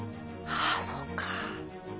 ああそっか。